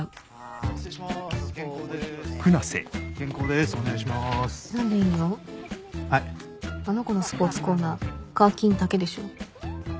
あの子のスポーツコーナー火・金だけでしょ？